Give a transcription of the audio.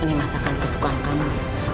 ini masakan kesukaan kamu